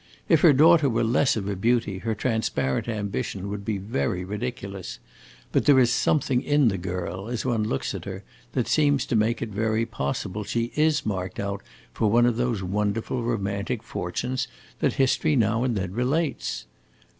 If her daughter were less of a beauty, her transparent ambition would be very ridiculous; but there is something in the girl, as one looks at her, that seems to make it very possible she is marked out for one of those wonderful romantic fortunes that history now and then relates.